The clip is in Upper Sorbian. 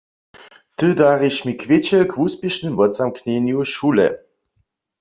Ty dariš mi kwěćel k wuspěšnym wotzamknjenju šule.